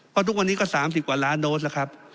เพราะทุกวันนี้ก็๓๐กว่าล้านโดสแล้วครับ